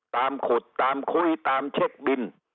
ตามขุดตามคุยตามเช็คบิน